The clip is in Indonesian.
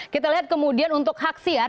kita lihat kemudian untuk haksiar